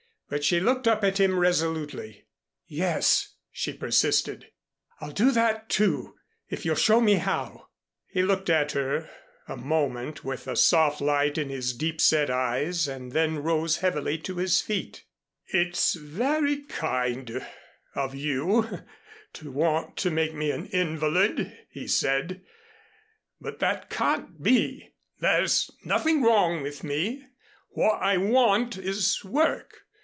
But she looked up at him resolutely. "Yes," she persisted, "I'll do that, too if you'll show me how." He looked at her a moment with a soft light in his deep set eyes and then rose heavily to his feet. "It's very kind of you to want to make me an invalid," he said, "but that can't be. There's nothing wrong with me. What I want is work.